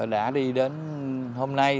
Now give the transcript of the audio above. đã đi đến hôm nay